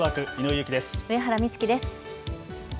上原光紀です。